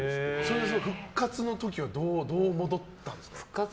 復活の時はどう戻ったんですか？